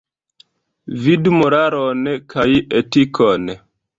Vidu moralon kaj etikon.